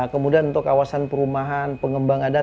kemudian untuk kawasan perumahan pengembang ada